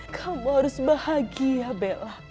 kamu harus bahagia bella